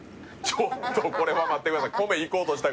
ちょっとこれは待ってください